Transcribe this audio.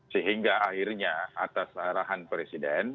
sehingga akhirnya atas arahan presiden